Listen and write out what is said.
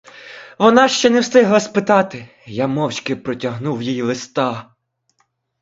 Вона ще не встигла спитати — я мовчки простягнув їй листа.